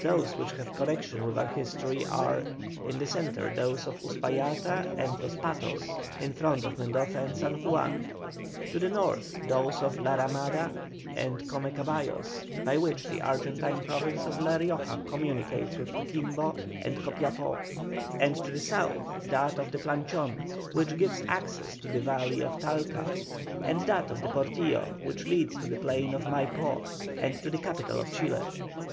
Those which have connection with our history are: in the centre, those of Uspallata and Los Patos, in front of Mendoza and San Juan; to the north, those of La Ramada and Come Caballos, by which the Argentine province of La Rioja communicates with Coquimbo and Copiapó; and to the south, that of the Planchon, which gives access to the valley of Talca, and that of the Portillo which leads to the plain of Maipó and to the capital of Chile.